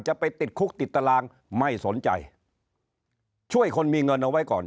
จะไปติดคุกติดตารางไม่สนใจช่วยคนมีเงินเอาไว้ก่อน